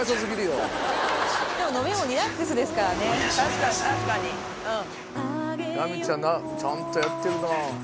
ラミちゃんちゃんとやってるな。